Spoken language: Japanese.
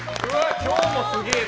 今日もすげえな。